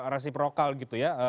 resiprokal gitu ya